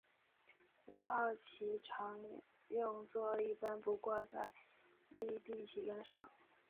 五号旗常用作一般不挂在立地旗杆上。